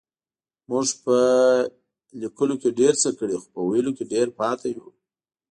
مونږ په لکيلو کې ډير څه کړي خو په ويلو کې ډير پاتې يو.